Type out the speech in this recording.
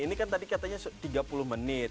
ini kan tadi katanya tiga puluh menit